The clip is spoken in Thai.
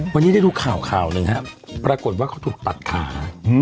วันนี้ได้ดูข่าวข่าวหนึ่งครับปรากฏว่าเขาถูกตัดขา